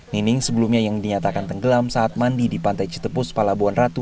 nining sebelumnya yang dinyatakan tenggelam saat mandi di pantai citepus palabuhan ratu